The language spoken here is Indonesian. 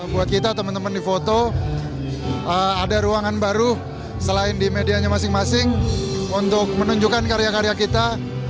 buat kita teman teman di foto ada ruangan baru selain di medianya masing masing untuk menunjukkan karya karya kita